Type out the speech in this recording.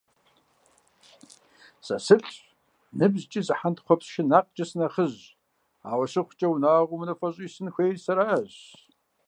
Сэ сылӏщ, ныбжькӏи зы хьэнтхъупс шынакъкӏэ сынэхъыжьщ, ауэ щыхъукӏэ, унагъуэм унафэщӏу исын хуейр сэращ.